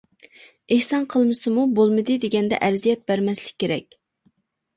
ئېھسان قىلمىسىمۇ، بولمىدى دېگەندە ئەزىيەت بەرمەسلىك كېرەك.